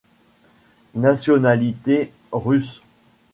Nationalité - Russe.